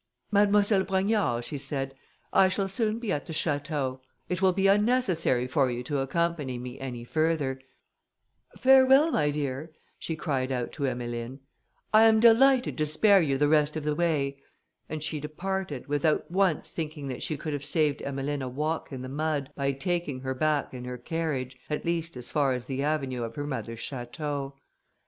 "Mademoiselle Brogniard," she said, "I shall soon be at the château; it will be unnecessary for you to accompany me any further: farewell, my dear," she cried out to Emmeline, "I am delighted to spare you the rest of the way," and she departed, without once thinking that she could have saved Emmeline a walk in the mud, by taking her back in her carriage, at least as far as the avenue of her mother's château.